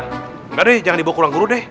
enggak deh jangan dibawa ke ruang guru deh